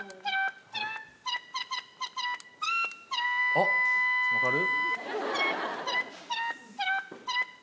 おっ分かる？